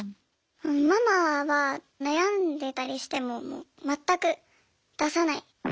ママは悩んでたりしても全く出さない。